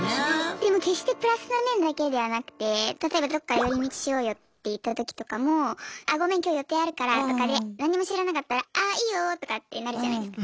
でも決してプラスの面だけではなくて例えばどっか寄り道しようよって言ったときとかも「あっごめん今日予定あるから」とかで何にも知らなかったら「あーいいよ」とかってなるじゃないですか。